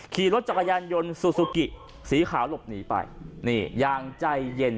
ขี่รถจักรยานยนต์ซูซูกิสีขาวหลบหนีไปนี่อย่างใจเย็น